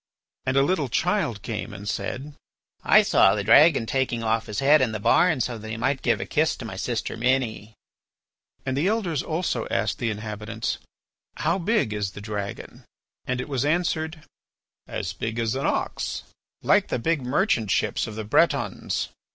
And a little child came and said: "I saw the dragon taking off his head in the barn so that he might give a kiss to my sister Minnie." And the Elders also asked the inhabitants: "How big is the dragon?" And it was answered: "As big as an ox." "Like the big merchant ships of the Bretons."